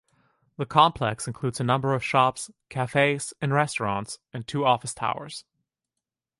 The complex includes a number of shops, cafes and restaurants, and two office towers.